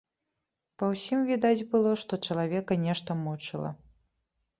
Па ўсім відаць было, што чалавека нешта мучыла.